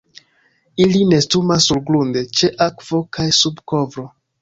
Ili nestumas surgrunde, ĉe akvo kaj sub kovro.